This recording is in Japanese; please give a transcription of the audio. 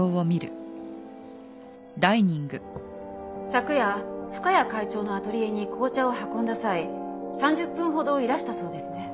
昨夜深谷会長のアトリエに紅茶を運んだ際３０分ほどいらしたそうですね？